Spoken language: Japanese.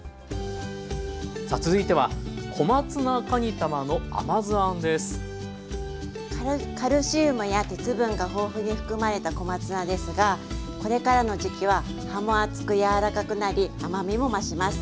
さあ続いてはカルシウムや鉄分が豊富に含まれた小松菜ですがこれからの時期は葉も厚く柔らかくなり甘みも増します。